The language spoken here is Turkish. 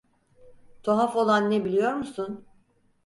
Tuhaf olan ne biliyor musun?